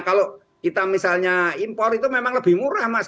kalau kita misalnya impor itu memang lebih murah mas